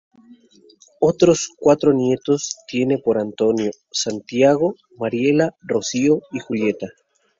Otros cuatro nietos tiene por Antonio: Santiago, Mariela, Rocío y Julieta.